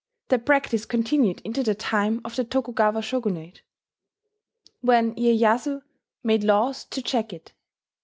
The practice continued into the time of the Tokugawa shogunate, when Iyeyasu made laws to check it.